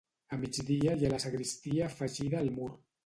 A migdia hi ha la sagristia afegida al mur.